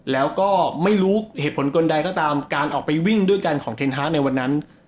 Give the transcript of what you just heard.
แล้วก็ไม่รู้เหตุผลกลใดก็ตามการออกไปวิ่งด้วยกันของเทนฮาร์ดในวันนั้น